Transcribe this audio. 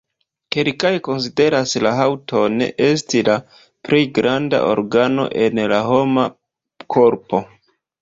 Kelkaj konsideras la haŭton esti la plej granda organo en la homa korpo.